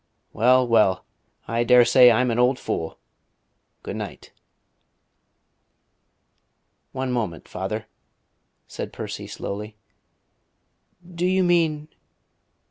Well, well; I dare say I'm an old fool. Good night." "One moment, father," said Percy slowly. "Do you mean